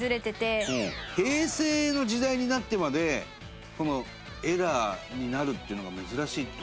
伊達：平成の時代になってまでエラーになるっていうのが珍しいっていう。